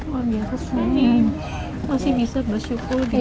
wah biasa sekali